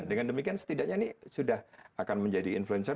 dengan demikian setidaknya ini sudah akan menjadi influencer